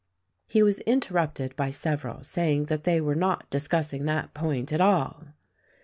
He was interrupted by several saying that they were not discussing that point at all.